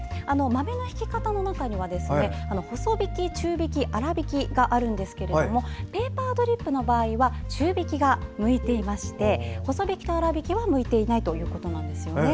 豆のひき方の中には細びき、中びき、粗びきがあるんですがペーパードリップの場合は中びきが向いていまして細びきと、粗びきは向いていないということなんです。